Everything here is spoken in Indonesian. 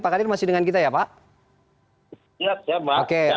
pak kadir masih dengan kita ya pak